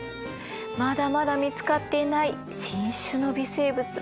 まだまだ見つかっていない新種の微生物